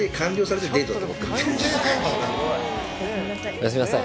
おやすみなさい。